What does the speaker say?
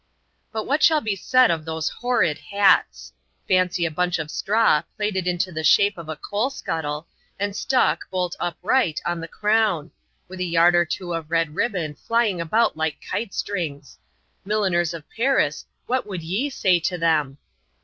But what shall be said of those horrid hats ! Fancy a bunch of straw, plaited into the shape of a coal*skuttle, and stuck, bolt upright, on the crown ; with a yard or two of red ribbon, flying about like kite strings. IVIilliners of Paris, what would ye say to them